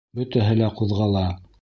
Бөтәһе лә ҡуҙғала.